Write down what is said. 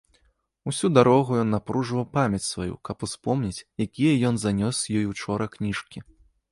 Усю дарогу ён напружваў памяць сваю, каб успомніць, якія ён занёс ёй учора кніжкі.